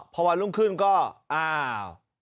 พอวันรุ่งขึ้นก็อ้าว